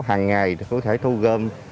hàng ngày có thể thu gom